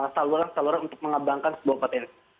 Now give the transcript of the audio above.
saluran saluran untuk mengembangkan sebuah potensi